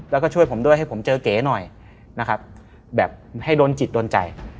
แล้วก็ช่วยผมด้วยให้ผมเจอเก๋หน่อยนะครับแบบให้โดนจิตโดนใจ